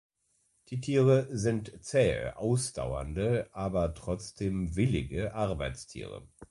Die Tiere sind zähe, ausdauernde aber trotzdem willige Arbeitstiere.